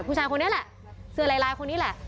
ผู้ชายคนนี้แหละเสื้อลายลายคนนี้แหละ